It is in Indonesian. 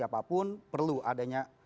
apapun perlu adanya